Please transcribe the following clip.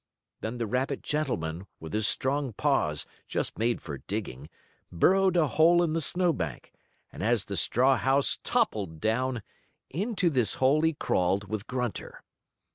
Then the rabbit gentleman, with his strong paws, just made for digging, burrowed a hole in the snow bank, and as the straw house toppled down, into this hole he crawled with Grunter.